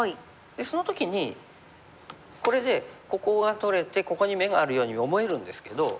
その時にこれでここが取れてここに眼があるように思えるんですけど。